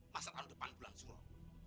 masa tahun depan bulan suruh